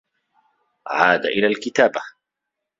عاد إلى الكتابة.